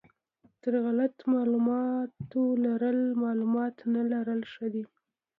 تر غلط معلومات لرل معلومات نه لرل ښه دي.